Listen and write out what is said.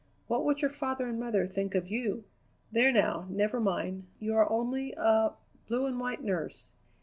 What would your father and mother think of you? There, now, never mind. You are only a blue and white nurse.